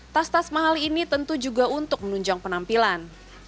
tas tas mahal ini tentu juga untuk menunjang penampilan